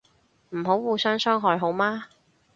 唔好互相傷害好嗎